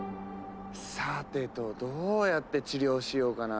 さてとどうやって治療しようかな。